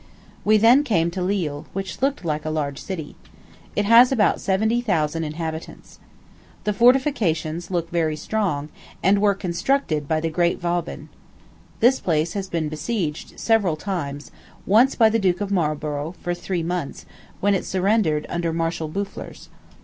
We then came to Lille, which looked like a large city. It has about seventy thousand inhabitants. The fortifications look very strong, and were constructed by the great Vauban. This place has been besieged several times once by the Duke of Marlborough, for three months, when it surrendered under Marshal Boufflers.